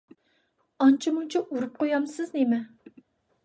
ئانچە-مۇنچە ئۇرۇپ قويامسىز نېمە؟